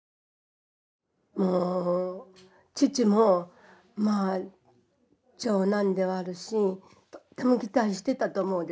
父もまあ長男ではあるしとっても期待してたと思うんです。